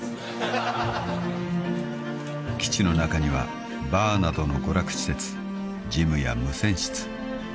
［基地の中にはバーなどの娯楽施設ジムや無線室］